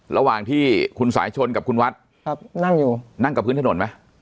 ระหว่างที่คุณสายชนกับคุณวัดครับนั่งอยู่นั่งกับพื้นถนนไหม